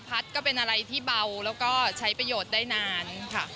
ก็เป็นอะไรที่เบาแล้วก็ใช้ประโยชน์ได้นานค่ะ